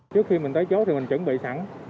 trước khi mình tới chỗ thì mình chuẩn bị sẵn